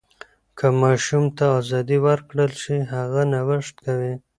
که ماشوم ته ازادي ورکړل شي، هغه نوښت کوي.